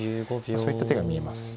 そういった手が見えます。